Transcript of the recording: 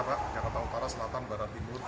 jakarta utara selatan barat timur